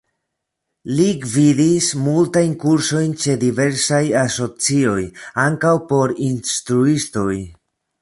Li gvidis multajn kursojn ĉe diversaj asocioj, ankaŭ por instruistoj.